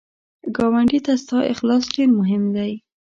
ګاونډي ته ستا اخلاص ډېر مهم دی